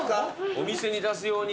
お店に出す用に。